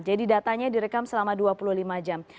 jadi datanya direkam selama dua puluh lima jam